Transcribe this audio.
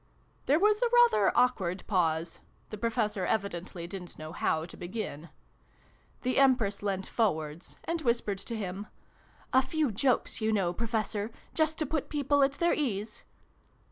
There was a rather awkward pause :' the Professor evidently didn't know how to begin. The Empress leant forwards, and whispered to him. "A few jokes, you know, Professor just to put people at their ease